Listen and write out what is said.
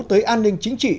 tới an ninh chính trị